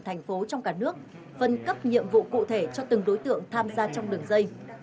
thành phố trong cả nước phân cấp nhiệm vụ cụ thể cho từng đối tượng tham gia trong đường dây